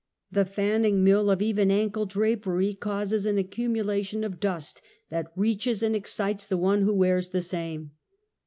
The fanning mill of even ankle drapery, causes an accumulation of dust that reaches and excites the one who wears the same.